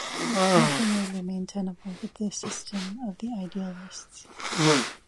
Nothing would remain tenable but the system of the idealists.